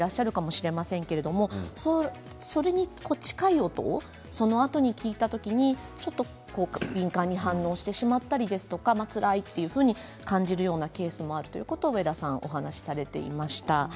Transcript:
それに近い音をそのあとに聞いた時にちょっと敏感に反応してしまったりですとかつらいというふうに感じるようなケースがあるということを上田さんはお話しされていました。